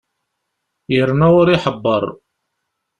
Yerna ur iḥebber.